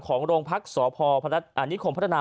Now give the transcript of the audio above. ของโรงพักษ์สพนิคมพัฒนา